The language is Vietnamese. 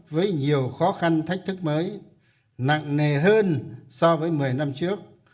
với nhiều khó khăn thách thức mới nặng nề hơn so với một mươi năm trước